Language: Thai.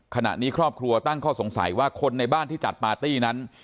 ขณะนี้ครอบครัวตั้งข้อสงสัยว่าคนในบ้านที่จัดปาร์ตี้นั้น